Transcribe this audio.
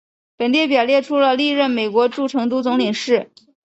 本列表列出了历任美国驻成都总领事。